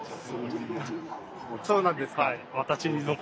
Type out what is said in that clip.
そうなんですか。